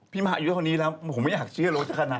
พี่มหาอยู่เท่านี้แล้วผมไม่อยากเชื่อโรคจะขนาดนี้